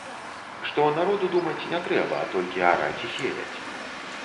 Што народу думаць не трэба, а толькі араць і сеяць.